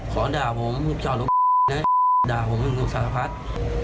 ขอด่าผมมึงจอดรถนะด่าผมมึงอุปสรรพัฒน์